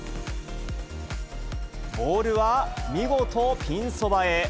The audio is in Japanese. ボールは見事、ピンそばへ。